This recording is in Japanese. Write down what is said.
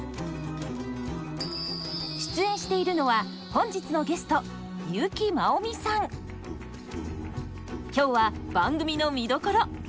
出演しているのは本日のゲスト今日は番組の見どころ